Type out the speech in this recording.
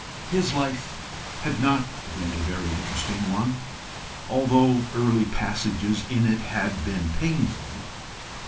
His life had not been a very interesting one, although early passages in it had been painful.